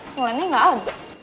eh wulannya gak ada